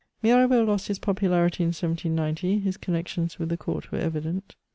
Mirabeau lost his popularity in 1790 ; his connections with the court were evident.